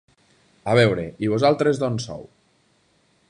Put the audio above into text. A veure, i vosaltres d'on sou?